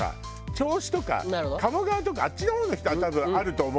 銚子とか鴨川とかあっちの方の人は多分あると思うのよ。